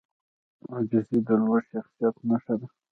عاجزي د لوړ شخصیت نښه ده.